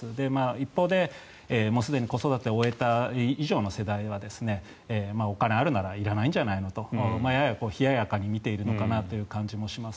一方で、すでに子育てを終えた以上の世代はお金があるならいらないんじゃないのとやや冷ややかに見ているのかなという感じもします。